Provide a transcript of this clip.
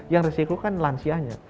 yang resiko kan lansianya